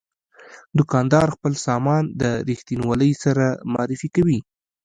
دوکاندار خپل سامان د رښتینولۍ سره معرفي کوي.